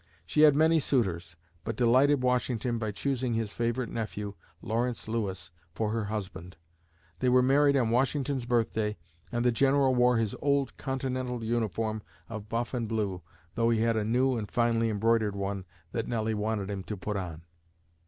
She had many suitors, but delighted Washington by choosing his favorite nephew, Lawrence Lewis, for her husband. They were married on Washington's birthday and the General wore his old Continental uniform of buff and blue, though he had a new and finely embroidered one that Nelly wanted him to put on.